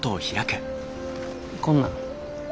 こんなん。